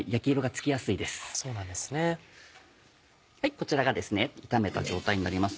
こちらがですね炒めた状態になります。